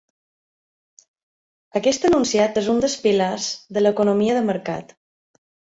Aquest enunciat és un dels pilars de l'economia de mercat.